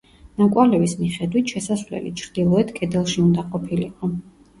ნაკვალევის მიხედვით შესასვლელი ჩრდილოეთ კედელში უნდა ყოფილიყო.